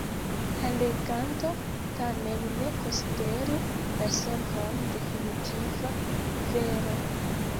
La leganto tamen ne konsideru la solvon definitiva vero.